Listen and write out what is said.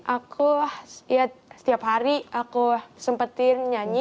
aku juga pengen nyanyi